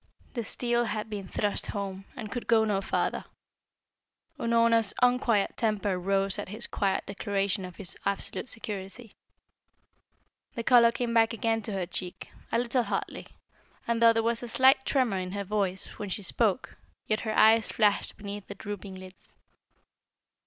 The steel had been thrust home, and could go no farther. Unorna's unquiet temper rose at his quiet declaration of his absolute security. The colour came again to her cheek, a little hotly, and though there was a slight tremor in her voice when she spoke, yet her eyes flashed beneath the drooping lids.